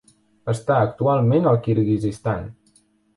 Està actualment al Kirguizistan.